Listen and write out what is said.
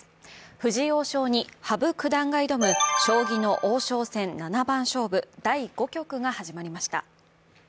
藤井王将に羽生九段が挑む将棋の王将戦七番勝負第５局が始まりました。